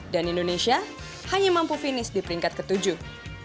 dan indonesia hanya mampu finish di peringkat ketujuh